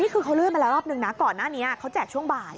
คือเขาเลื่อนมาแล้วรอบนึงนะก่อนหน้านี้เขาแจกช่วงบ่าย